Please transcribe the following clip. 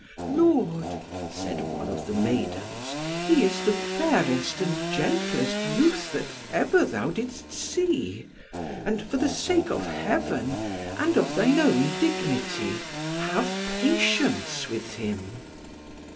"Lord," said one of the maidens, "he is the fairest and gentlest youth that ever thou didst see. And for the sake of Heaven, and of thine own dignity, have patience with him."